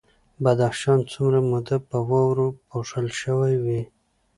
بدخشان څومره موده په واورو پوښل شوی وي؟